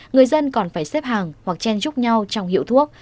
người dân còn phải xếp hàng hoặc chen chúc nhau trong hiệu thuốc